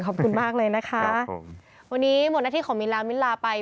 ขอบคุณมากเลยนะคะวันนี้หมดหน้าที่ของมิ้นลามิ้นลาไป